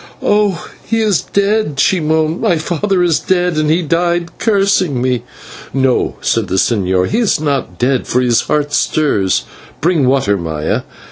"Oh, he is dead," she moaned; "my father is dead, and he died cursing me." "No," said the señor, "he is not dead, for his heart stirs. Bring water, Maya."